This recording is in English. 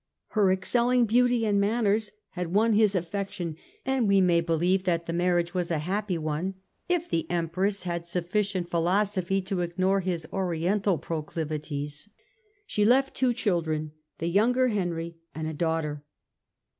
" Her excelling beauty and manners " had won his affection, and we may believe that the marriage was a happy one if the Empress had suffi cient philosophy to ignore his Oriental proclivities. She left two children, the younger Henry and a daughter.